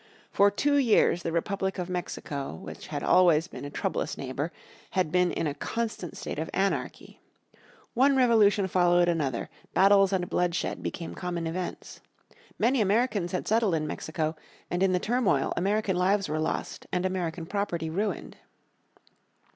For two years the republic of Mexico, which had always been a troublous neighbor, had been in a constant state of anarchy. One revolution followed another, battles and bloodshed became common events. Many Americans had settled in Mexico and in the turmoil American lives were lost and American property ruined.